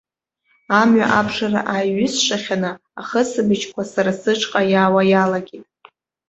Амҩа абжара ааҩысшахьаны, ахысбыжьқәа сара сышҟа иаауа иалагеит.